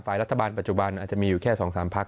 รัฐบาลปัจจุบันอาจจะมีอยู่แค่๒๓พัก